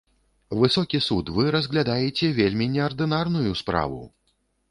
Высокі суд, вы разглядаеце вельмі неардынарную справу.